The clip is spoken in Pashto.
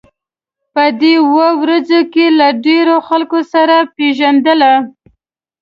په دې اوو ورځو کې له ډېرو خلکو سره پېژندل.